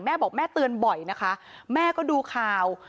แม่บอกแม่เตือนบ่อยนะคะแม่ก็ดูข่าว